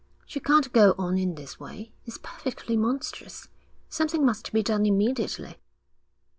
'She can't go on in this way. It's perfectly monstrous. Something must be done immediately.'